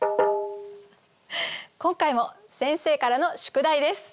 今回も先生からの宿題です。